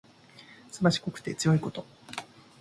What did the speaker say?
すばしこくて強いこと。